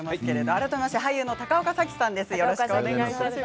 改めまして俳優の高岡早紀さんです。